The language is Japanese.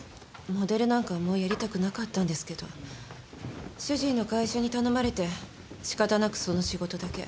モデルなんかもうやりたくなかったんですけど主人の会社に頼まれて仕方なくその仕事だけ。